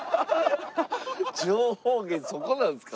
情報源そこなんですか？